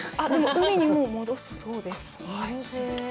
海にも戻すそうです。